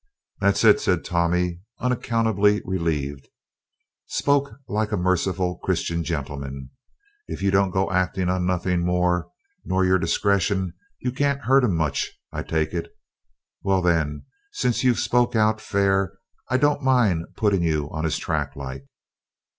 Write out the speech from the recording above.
"That's it," said Tommy, unaccountably relieved, "spoke like a merciful Christian gen'leman; if you don't go actin' on nothing more nor your discretion, you can't hurt him much, I take it. Well then, since you've spoke out fair, I don't mind putting you on his track like."